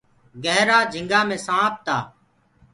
گيهرآ جھٚنِگآ مي سآنپ تآ۔